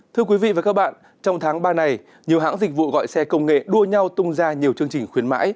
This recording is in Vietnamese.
thưa quý vị và các bạn trong tháng ba này nhiều hãng dịch vụ gọi xe công nghệ đua nhau tung ra nhiều chương trình khuyến mãi